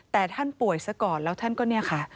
แต่ท่านป่วยซะก่อนแล้วท่านก็เนี่ยค่ะ